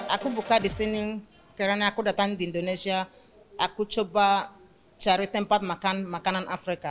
aku buka di sini karena aku datang di indonesia aku coba cari tempat makan makanan afrika